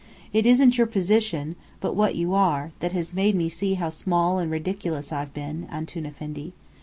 It isn't your position, but what you are, that has made me see how small and ridiculous I've been, Antoun Effendi.